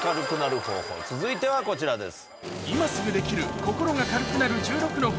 続いてはこちらです。